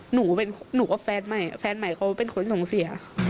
หนูกับแฟนใหม่แฟนใหม่เขาเป็นคนส่งเสีย